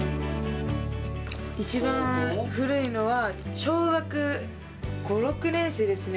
一番古いのは、小学５、６年生ですね。